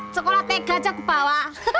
sekolah tega aja aku bawa